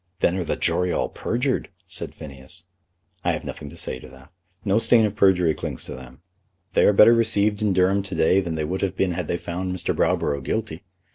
"Then are the jury all perjured," said Phineas. "I have nothing to say to that. No stain of perjury clings to them. They are better received in Durham to day than they would have been had they found Mr. Browborough guilty.